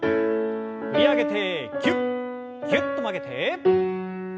振り上げてぎゅっぎゅっと曲げて。